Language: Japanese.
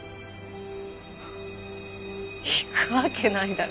ハッ行くわけないだろ。